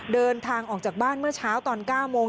เดินทางออกจากบ้านเมื่อเช้าตอน๙โมง